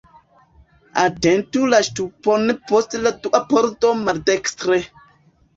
Atentu la ŝtupon post la dua pordo maldekstre.